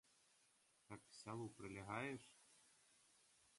Так к сялу прылягаеш?